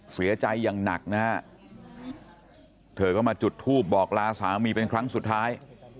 เสียใจอย่างหนักนะฮะเธอก็มาจุดทูปบอกลาสามีเป็นครั้งสุดท้าย